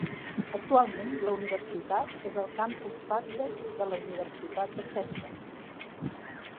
Actualment la universitat és el campus Padgate de la Universitat de Chester.